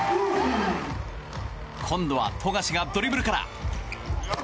今度は富樫がドリブルから。